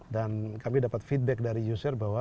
kami dapat feedback dari user bahwa